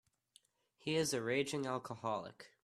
He is a raging alcoholic.